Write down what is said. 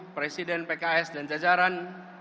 presiden pks dan jajaran